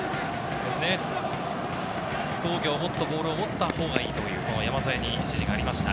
津工業、もっとボールを持ったほうがいいという山副に指示がありました。